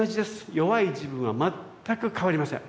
弱い自分は全く変わりません。